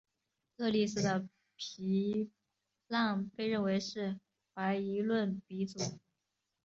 厄利斯的皮浪被认为是怀疑论鼻祖。